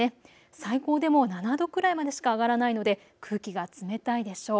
最高でも７度くらいまでしか上がらないので空気が冷たいでしょう。